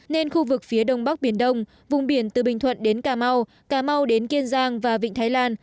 nên khu vực phía đông bắc biển đông vùng biển từ bình thuận đến cà mau cà mau đến kiên giang và vịnh thái lan